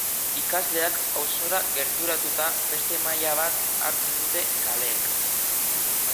Ikasleak auzora gerturatuta beste maila bat hartzen dute kaleek.